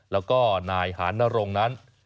แล้วก็นายหานนรงค์นั้น